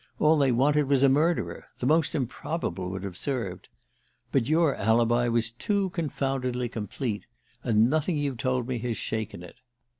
All they wanted was a murderer the most improbable would have served. But your alibi was too confoundedly complete. And nothing you've told me has shaken it."